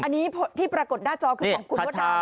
อันนี้ที่ปรากฏหน้าจอคือของคุณมดดำ